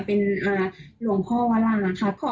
เป็นหลวงพ่อวราค่ะ